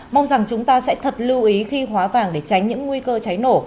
mong rằng chúng ta sẽ thật lưu ý khi hóa vàng để tránh những nguy cơ cháy nổ